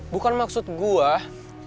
bukan maksud gue